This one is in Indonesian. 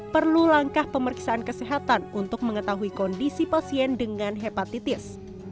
perlu langkah pemeriksaan kesehatan untuk mengetahui kondisi pasien dengan hepatitis